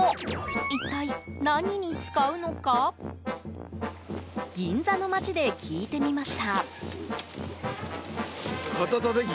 一体何に使うのか銀座の街で聞いてみました。